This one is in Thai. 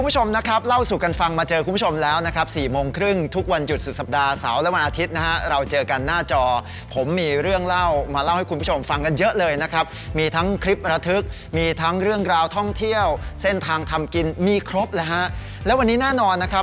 อย่าลืมเล่าสูงกันฟัง